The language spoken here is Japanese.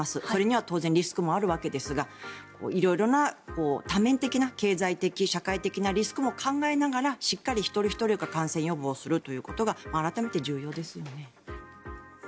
それには当然リスクもあるわけですが色々な多面的な経済的、社会的なリスクも考えながらしっかり一人ひとりが感染予防をするということが改めて重要ですよね。